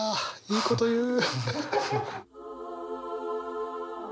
いいこと言う。